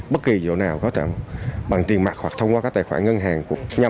bất kỳ chỗ nào có trạm bằng tiền mặt hoặc thông qua các tài khoản ngân hàng